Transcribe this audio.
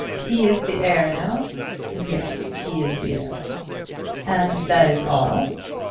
"He is the heir now?" "Yes; he is the heir." "And that is all?"